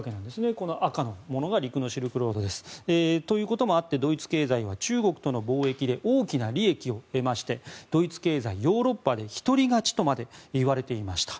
この赤のものが陸のシルクロードです。ということもあってドイツ経済は中国との貿易で大きな利益を得ましてドイツ経済ヨーロッパで１人勝ちとまでいわれていました。